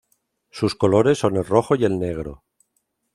Sus colores son el rojo y el negro.